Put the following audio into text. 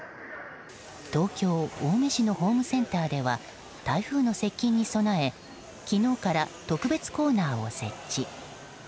東京・青梅市のホームセンターでは台風の接近に備え昨日から特別コーナーを設置。